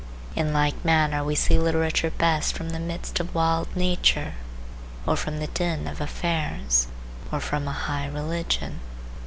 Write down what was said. In like manner we see literature best from the midst of wild nature, or from the din of affairs, or from a high religion.